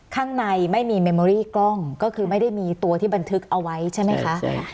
ข้างในไม่มีเมมอรี่กล้องก็คือไม่ได้มีตัวที่บันทึกเอาไว้ใช่ไหมคะ